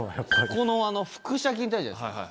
ここの腹斜筋ってあるじゃないですか。